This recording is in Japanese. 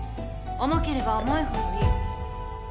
重ければ重いほどいい。